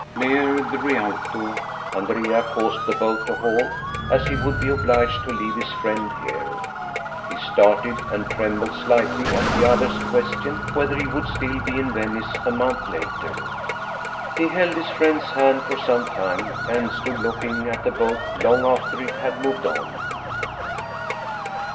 Near the Rialto, Andrea caused the boat to halt, as he would be obliged to leave his friend here. He started and trembled slightly at the other's question whether he would still be in Venice a month later. He held his friend's hand for some time, and stood looking at the boat long after it had moved on.